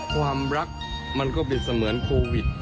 ความรักมันก็เป็นเสมือนโควิด